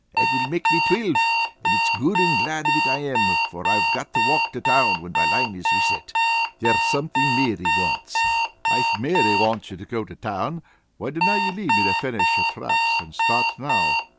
That will make me twilve, and it's good and glad of it I am for I've to walk to town when my line is reset. There's something Mary wants." "If Mary wants ye to go to town, why dinna ye leave me to finish your traps, and start now?"